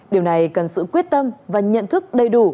điều này cần sự quyết tâm và nhận thức đầy đủ